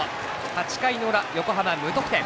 ８回の裏、横浜、無得点。